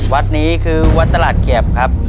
วัดนี้คือวัดตลาดเกียบครับ